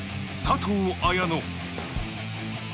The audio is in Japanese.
佐藤綾乃。